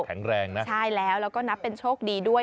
แข็งแรงนะใช่แล้วแล้วก็นับเป็นโชคดีด้วย